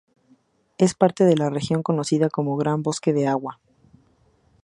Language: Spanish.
Es parte de la región conocida como Gran Bosque de agua.